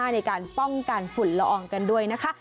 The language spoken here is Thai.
ในการป้องกันฝุ่นละอองกันด้วยนะคะ